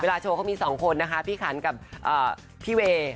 เวลาโชว์เขามีสองคนนะคะพี่คันกับพี่เวย์